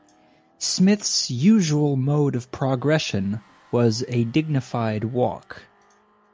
Smith's usual mode of progression was a dignified walk.